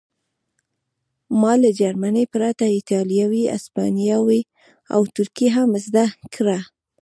ما له جرمني پرته ایټالوي هسپانوي او ترکي هم زده کړې